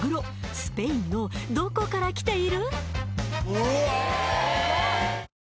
スペインのどこから来ている？